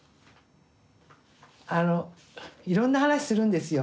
あのいろんな話するんですよ。